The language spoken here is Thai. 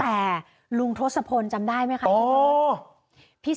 แต่ลุงทศพลจำได้ไหมคะ